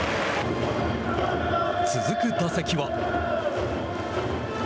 続く打席は。